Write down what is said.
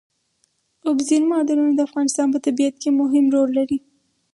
اوبزین معدنونه د افغانستان په طبیعت کې مهم رول لري.